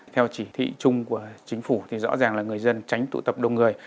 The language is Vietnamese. theo chỉ thị chung của chính phủ thì rõ ràng là người dân tránh tụ tập đông người